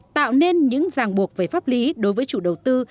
tạo nên những ràng buộc về pháp lý đối với chủ đầu tư